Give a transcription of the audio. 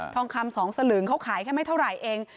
ทองคามสองสลึงเขาขายแค่ไม่เท่าไรเอง